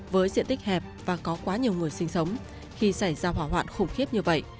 với diện tích hẹp và có quá nhiều người sinh sống khi xảy ra hỏa hoạn khủng khiếp như vậy